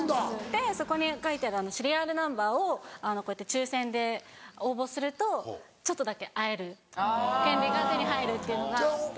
でそこに書いてあるシリアルナンバーをこうやって抽選で応募するとちょっとだけ会える権利が手に入るっていうのがあって。